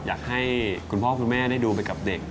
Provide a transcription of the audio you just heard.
อยากให้คุณพ่อคุณแม่ได้ดูไปกับเด็ก